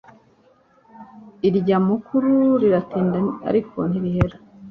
irya mukuru riratinda ariko ntirihera